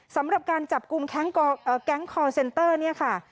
สำหรับการจับกลุ่มแก๊งคอร์เซนเตอร์เนี่ยค่ะ